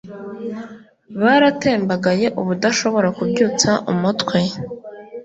baratembagaye ubudashobora kubyutsa umutwe